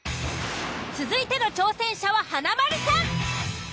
続いての挑戦者は華丸さん。